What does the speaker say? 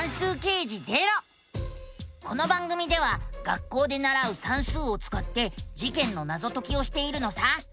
この番組では学校でならう「算数」をつかって事件のナゾ解きをしているのさ。